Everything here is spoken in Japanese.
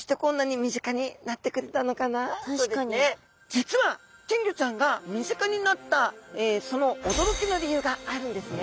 実は金魚ちゃんが身近になったその驚きの理由があるんですね。